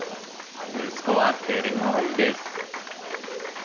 息子は照れ笑いです。